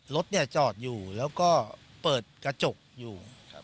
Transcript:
รถจอดอยู่แล้วก็เปิดกระจกอยู่